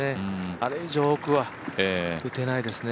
あれ以上奥は打てないですね。